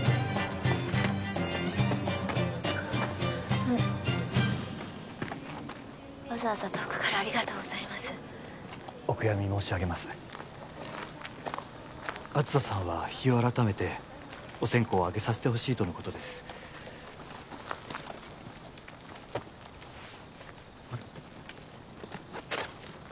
あのわざわざ遠くからありがとうございますお悔やみ申し上げます梓さんは日を改めてお線香をあげさせてほしいとのことですあれ？